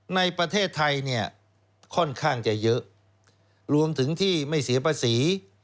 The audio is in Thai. ในประเทศไทยเนี่ยค่อนข้างจะเยอะรวมถึงที่ไม่เสียภาษี